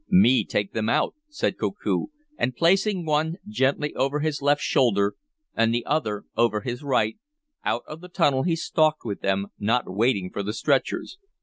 "Me take them out," said Koku, and placing one gently over his left shoulder, and the other over his right, out of the tunnel he stalked with them, not waiting for the stretchers.